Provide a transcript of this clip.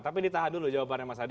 tapi ditahan dulu jawabannya mas adi